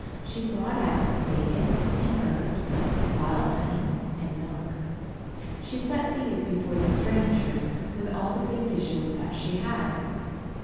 She brought out bacon and herbs, wild honey and milk. She set these before the strangers with all the good dishes that she had.